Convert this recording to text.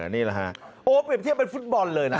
นี่แหละฮะโอ้เปรียบเทียบเป็นฟุตบอลเลยนะ